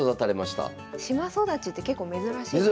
島育ちって結構珍しいですよね。